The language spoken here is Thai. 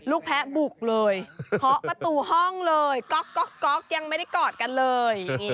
แพ้บุกเลยเคาะประตูห้องเลยก๊อกยังไม่ได้กอดกันเลย